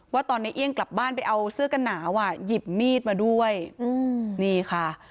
ว่าตอนในเอี่ยงกลับบ้านไปเอาเสื้อกันหนาวอ่ะหยิบมีดมาด้วยนี่ค่ะ